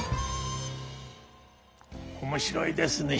面白いですね。